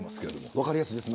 分かりやすいです。